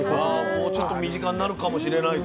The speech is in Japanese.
もうちょっと身近になるかもしれないと。